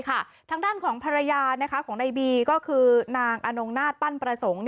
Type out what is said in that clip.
ทางด้านของภรรยาของนายบีก็คือนางอนงนาฏปั้นประสงค์